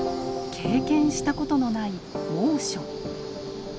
経験したことのない猛暑。